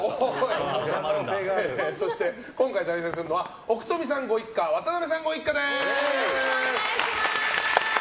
そして、今回対戦するのは奥冨さんご一家と渡邉さんご一家です。